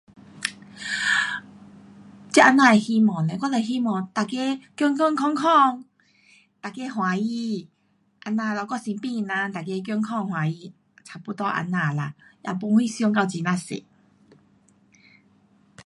这啊那的希望嘞，我就希望每个健健康康，每个欢喜，这样咯，我身边的人，每个健康欢喜。差不多这样啦，也没想到很呀多。